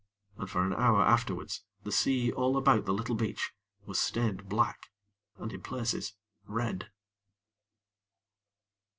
And for an hour afterwards the sea all about the little beach was stained black, and in places red.